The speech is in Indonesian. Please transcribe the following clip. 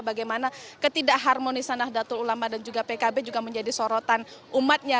bagaimana ketidak harmonisan nadatul ulama dan juga pkb juga menjadi sorotan umatnya